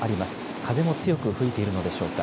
風も強く吹いているのでしょうか。